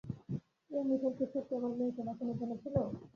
এই মিশন কি সত্যিই আমার মেয়েকে বাঁচানোর জন্য ছিল?